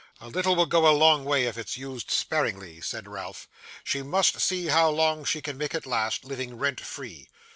'A little will go a long way if it's used sparingly,' said Ralph. 'She must see how long she can make it last, living rent free.